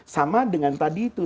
sama dengan tadi itu